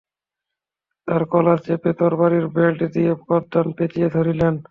তার কলার চেপে তরবারীর বেল্ট দিয়ে গর্দান পেঁচিয়ে ধরলেন।